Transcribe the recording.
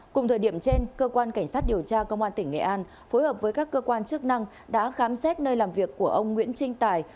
cùng thời điểm trên cơ quan cảnh sát điều tra công an tỉnh nghệ an phối hợp với các cơ quan chức năng đã khám xét nơi làm việc của ông nguyễn trinh tài